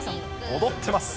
踊ってます。